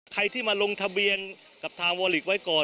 ใครที่มาลงทะเบียนกับทางวอลิกไว้ก่อน